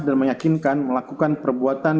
dan meyakinkan melakukan perbuatan